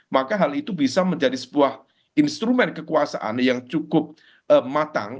maka hal itu bisa menjadi sebuah instrumen kekuasaan yang cukup matang